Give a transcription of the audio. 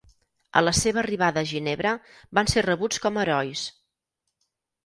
A la seva arribada a Ginebra van ser rebuts com a herois.